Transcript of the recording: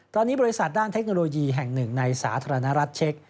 ตอนนี้บริษัทด้านเทคโนโลยีแห่งหนึ่งในสาธารณรัฐเช็ค